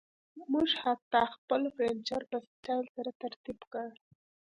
موږ حتی خپل فرنیچر په سټایل سره ترتیب کړ